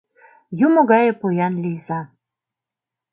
Юмо гае поян лийза